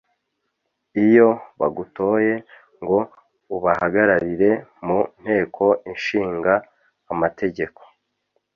Iyo bagutoye ngo ubahagararire mu nteko ishinga amategeko